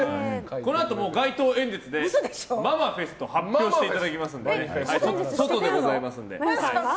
このあと、街頭演説でママフェストを発表していただきますので外でございますので。